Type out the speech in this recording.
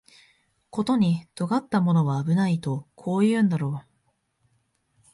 ことに尖ったものは危ないとこう言うんだろう